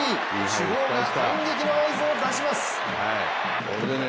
主砲が反撃の合図を出します。